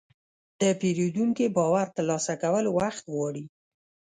د پیرودونکي باور ترلاسه کول وخت غواړي.